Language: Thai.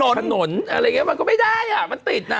อะไรอย่างเงี้ยมันก็ไม่ได้อ่ะมันติดอ่ะ